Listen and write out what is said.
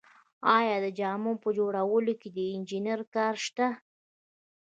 آیا د جامو په جوړولو کې د انجینر کار شته